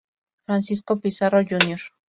Francisco Pizarro, Jr.